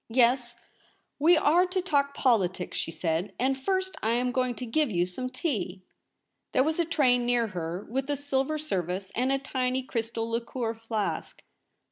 ' Yes, we are to talk politics,' she said ; 'and first I am going to give you some tea.' There was a tray near her, with a silver service, and a tiny crystal liqueur flask.